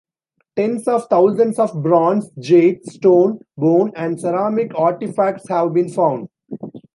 Tens of thousands of bronze, jade, stone, bone, and ceramic artifacts have been found.